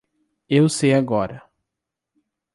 Eu sei agora.